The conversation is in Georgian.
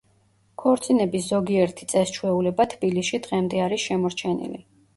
ქორწინების ზოგიერთი წეს-ჩვეულება თბილისში დღემდე არის შემორჩენილი.